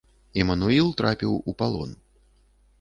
Імануіл трапіў у палон.